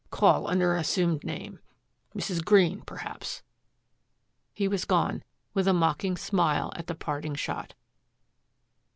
Call under an assumed name Mrs. Green, perhaps." He was gone, with a mocking smile at the parting shot.